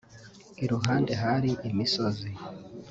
iruhande hari imisozi